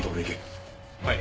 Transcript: はい。